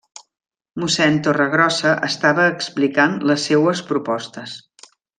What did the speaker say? Mossén Torregrossa estava explicant les seues propostes.